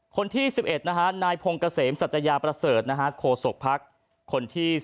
๑๑คือนายพงศ์เกษมศัตยาประเสริฐโคศกภักดิ์